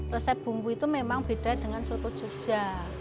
resep bumbu itu memang beda dengan soto jogja